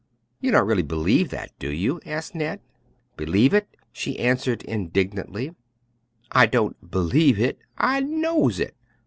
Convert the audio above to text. "You don't really believe that, do you?" asked Ned. "B'lieve hit!" she answered indignantly; "I don' b'lieve hit, I knows hit.